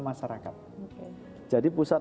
masyarakat jadi pusat